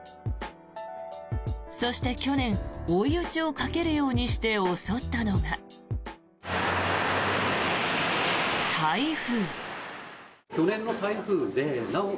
そして去年追い打ちをかけるようにして襲ったのが台風。